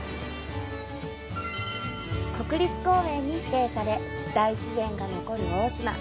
国立公園に指定され、大自然が残る大島。